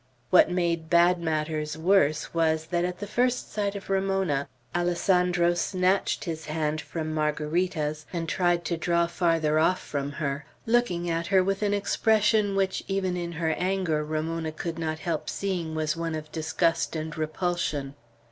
What made bad matters worse, was, that at the first sight of Ramona, Alessandro snatched his hand from Margarita's, and tried to draw farther off from her, looking at her with an expression which, even in her anger, Ramona could not help seeing was one of disgust and repulsion.